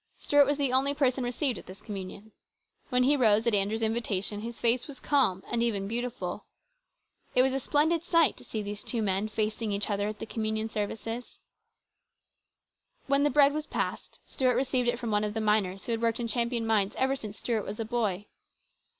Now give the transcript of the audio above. Stuart was the only person received at this communion. When he rose at Andrew's invitation, his face was calm and even beautiful. It was a splendid sight to see these two men facing each other at the communion service. When the bread was passed, Stuart received it from one of the miners who had worked in Champion mines ever since Stuart was a boy.